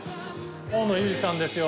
大野雄次さんですよ